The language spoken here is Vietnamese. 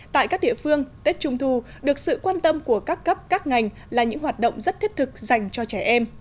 tại các địa phương tết trung thu được sự quan tâm của các cấp các ngành là những hoạt động rất thiết thực dành cho trẻ em